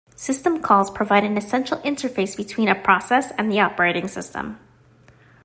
System calls provide an essential interface between a process and the operating system.